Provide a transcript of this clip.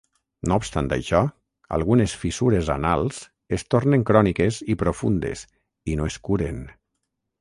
No obstant això, algunes fissures anals es tornen cròniques i profundes i no es curen.